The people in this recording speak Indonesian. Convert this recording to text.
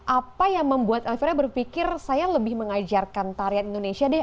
apa yang membuat elvira berpikir saya lebih mengajarkan tarian indonesia deh